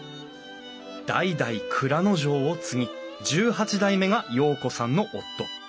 代々内蔵丞を継ぎ１８代目が陽子さんの夫。